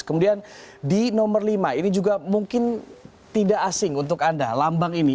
kemudian di nomor lima ini juga mungkin tidak asing untuk anda lambang ini